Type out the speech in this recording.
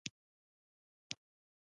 عطرونه د هر عمر لپاره مناسب دي.